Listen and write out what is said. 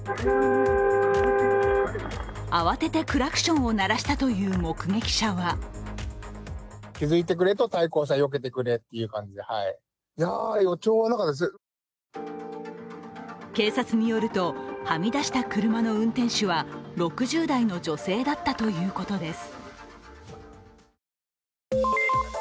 慌ててクラクションを鳴らしたという目撃者は警察によると、はみ出した車の運転手は６０代の女性だったということです。